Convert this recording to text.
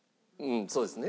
そうですね。